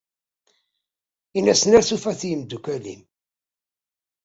Ini-asen ar tufat i yimeddukal-im.